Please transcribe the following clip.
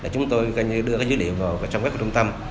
chúng tôi đưa dữ liệu vào trong các trung tâm